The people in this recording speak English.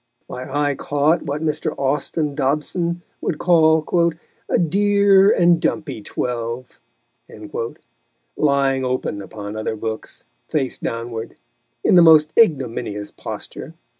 My eye caught what Mr. Austin Dobson would call "a dear and dumpy twelve," lying open upon other books, face downward, in the most ignominious posture.